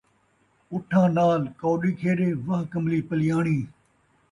اُٹھاں نال کوݙی کھیݙے واہ کملی پلیاݨی